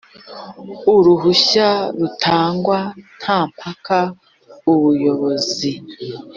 uruhushya rutangwa nta mpaka ubuyobozi